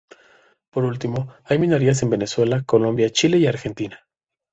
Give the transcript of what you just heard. Por último, hay minorías en Venezuela, Colombia, Chile y Argentina.